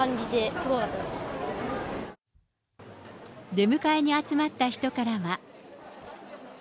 出迎えに集まった人からは。